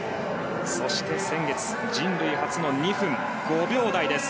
そして、先月人類初の２分５秒台です